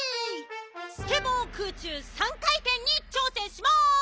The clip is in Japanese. スケボー空中３かいてんにちょうせんします！